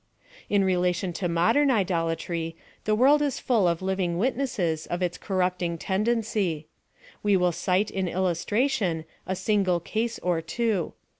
» In relation to modern idolatry, the world is fall of living witnesses of its corrupting tendency. We wiJ cite in illustration, a single case or two.